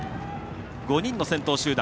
５人の先頭集団。